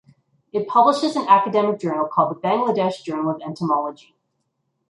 It publishes an academic journal called the Bangladesh Journal of Entomology.